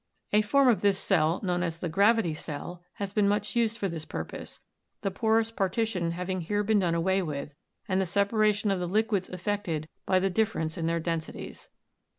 A form of this cell, known as the "gravity" cell, has been much used for this purpose, the porous partition having here been done away with, and the separation of the liquids effected by the difference in their densities.